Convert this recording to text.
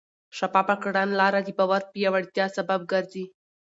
شفافه کړنلاره د باور پیاوړتیا سبب ګرځي.